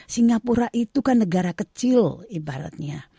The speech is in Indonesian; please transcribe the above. singapura itu kan negara kecil ibaratnya